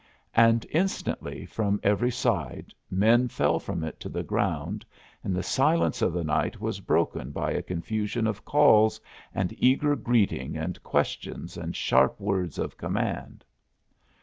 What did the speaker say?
And instantly from every side men fell from it to the ground, and the silence of the night was broken by a confusion of calls and eager greeting and questions and sharp words of command.